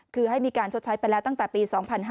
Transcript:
คือให้มีการชดใช้ไปแล้วตั้งแต่ปี๒๕๕๙